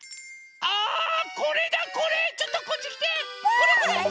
これこれ！